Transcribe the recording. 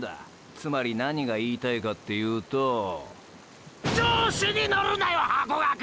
つまり何が言いたいかっていうと調子にのるなよハコガク！！